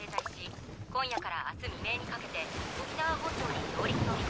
今夜から明日未明にかけて沖縄本島に上陸の見込みです。